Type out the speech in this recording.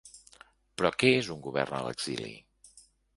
Però, què és un govern a l’exili?